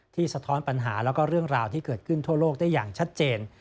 สะท้อนปัญหาแล้วก็เรื่องราวที่เกิดขึ้นทั่วโลกได้อย่างชัดเจน